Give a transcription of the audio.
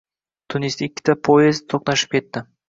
Tunisda ikkita poyezd to‘qnashib ketdi